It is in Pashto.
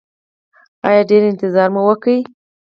ایا ډیر انتظار مو وکړ؟